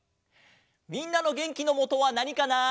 みんなのげんきのもとはなにかな？